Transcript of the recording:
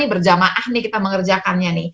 berjamaah nih kita mengerjakannya